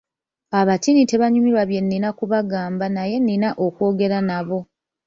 Abatiini tebanyumirwa bye nnina okubagamba naye nnina okwogera nabo.